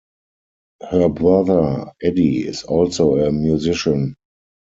Her brother, Eddie, is also a musician.